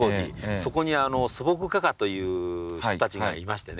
そこに素朴画家という人たちがいましてね